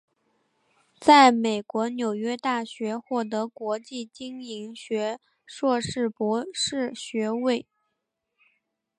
在美国纽约大学获得国际经营学硕士博士学位。